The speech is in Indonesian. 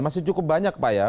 masih cukup banyak pak ya